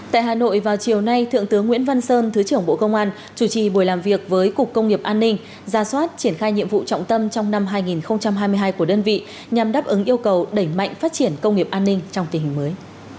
tại hà nội vào chiều nay thượng tướng nguyễn văn sơn thứ trưởng bộ công an chủ trì buổi làm việc với cục công nghiệp an ninh ra soát triển khai nhiệm vụ trọng tâm trong năm hai nghìn hai mươi hai của đơn vị nhằm đáp ứng yêu cầu đẩy mạnh phát triển công nghiệp an ninh trong tình hình mới